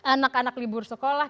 anak anak libur sekolah